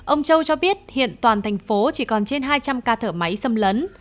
ông châu cho biết hiện toàn thành phố chỉ còn trên hai trăm linh ca thở máy xâm lấn